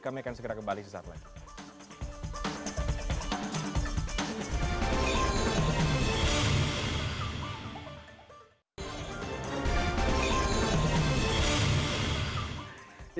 kami akan segera kembali sesaat lagi